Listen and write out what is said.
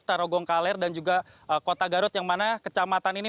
tarogongkaler dan juga kota garut yang mana kecamatan ini